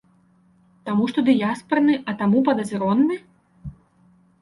Таму, што дыяспарны, а таму падазроны?